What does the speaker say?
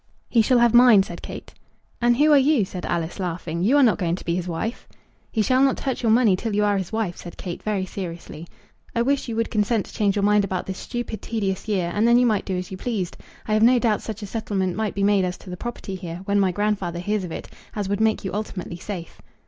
"He shall have mine," said Kate. "And who are you?" said Alice, laughing. "You are not going to be his wife?" "He shall not touch your money till you are his wife," said Kate, very seriously. "I wish you would consent to change your mind about this stupid tedious year, and then you might do as you pleased. I have no doubt such a settlement might be made as to the property here, when my grandfather hears of it, as would make you ultimately safe."